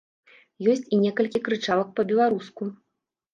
Ёсць і некалькі крычалак па-беларуску.